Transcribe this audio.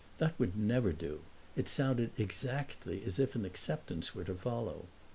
That would never do; it sounded exactly as if an acceptance were to follow.